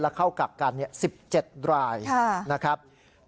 แล้วเข้ากับการนี้๑๗รายนะครับ